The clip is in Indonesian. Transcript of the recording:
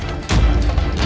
sampai jumpa lagi